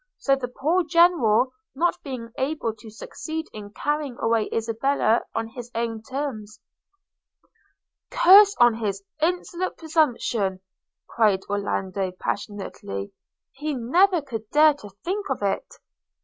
So the poor General, not being able to succeed in carrying away Isabella on his own terms –' 'Curse on his insolent presumption!' cried Orlando passionately; 'he never could dare to think of it.'